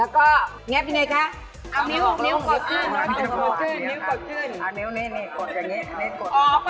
อ๋อก็ต้องเอาตระหนักซ้ายค่ะ